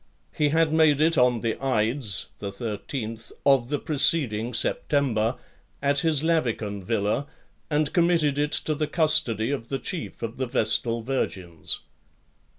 He had made it on the ides [13th] of the preceding September, at his Lavican villa, and committed it to the custody of the chief of the Vestal Virgins.